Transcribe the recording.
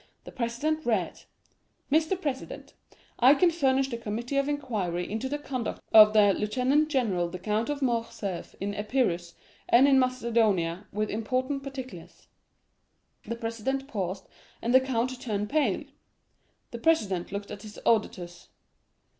The president read: "'Mr. President,—I can furnish the committee of inquiry into the conduct of the Lieutenant General the Count of Morcerf in Epirus and in Macedonia with important particulars.' "The president paused, and the count turned pale. The president looked at his auditors.